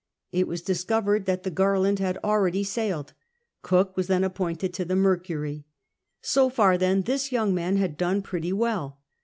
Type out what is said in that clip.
It aa'us discovered that the Garhnd had already sailed. Cook was then appointed to the M&rcwnj. So far, then, this young man had done pretty Avell.